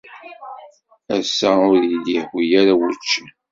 Ass-a, ur iyi-d-yehwi ara wučči.